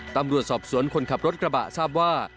ตำรวจสอบสวนคนขับรถกระบะทราบว่า